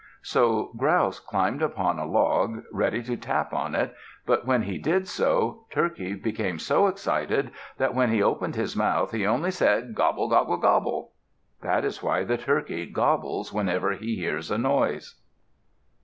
So Grouse climbed upon a log, ready to tap on it, but when he did so, Turkey became so excited that when he opened his mouth, he only said, "Gobble, gobble, gobble!" That is why the Turkey gobbles whenever he hears a noise.